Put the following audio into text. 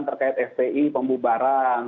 terkait spi pembubaran